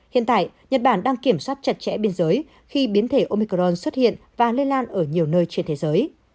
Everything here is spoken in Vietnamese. hiện tại nhật bản đang kiểm soát chặt chẽ biên giới khi biến thể omicron xuất hiện và lây lan ở nhiều nơi trên thế giới